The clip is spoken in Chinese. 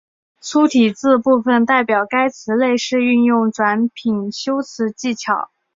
粗体字部分代表该词类是运用转品修辞技巧。